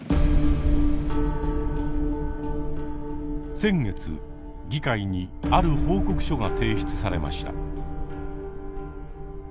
先月議会にある報告書が提出されました。